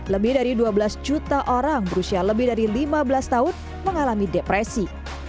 lebih dari dua belas juta orang berusia lebih dari lima belas tahun mengalami depresi